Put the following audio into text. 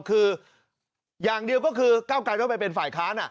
คืออย่างเดียวก็คือก้าวไกลไม่เป็นฝ่ายค้าน่ะ